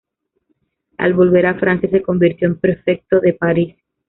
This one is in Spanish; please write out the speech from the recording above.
Al volver a Francia se convirtió en prefecto de París.